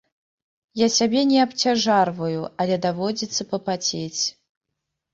Я сябе не абцяжарваю, але даводзіцца папацець.